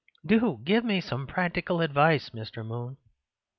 Do give me some practical advice, Mr. Moon."